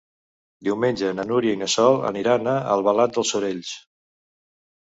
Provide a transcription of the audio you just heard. Diumenge na Núria i na Sol aniran a Albalat dels Sorells.